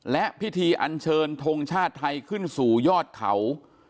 และพิธีอันเชิญทงชาติไทยขึ้นสู่ยอดเขา